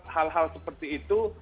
hal hal seperti itu